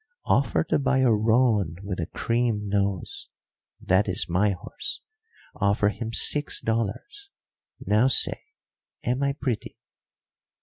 Offer to buy a roan with a cream nose. That is my horse. Offer him six dollars. Now say, am I pretty?"